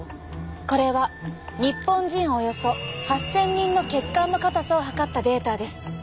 これは日本人およそ８，０００人の血管の硬さを測ったデータです。